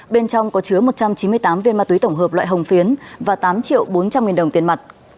bên trong có chứa một trăm chín mươi tám viên ma túy tổng hợp loại hồng phiến và tám triệu bốn trăm linh nghìn đồng tiền mặt